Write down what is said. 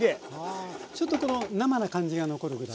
あちょっとこの生な感じが残るぐらい。